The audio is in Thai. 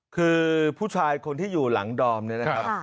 คือผู้ชายคนที่อยู่หลังดอมเนี่ยนะครับ